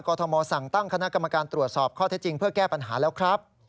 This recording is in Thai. ทมสั่งตั้งคณะกรรมการตรวจสอบข้อเท็จจริงเพื่อแก้ปัญหาแล้วครับ